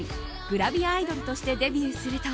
グラビアアイドルとしてデビューすると